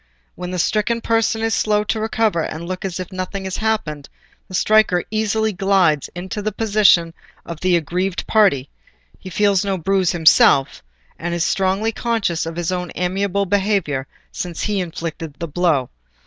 When the stricken person is slow to recover and look as if nothing had happened, the striker easily glides into the position of the aggrieved party; he feels no bruise himself, and is strongly conscious of his own amiable behaviour since he inflicted the blow.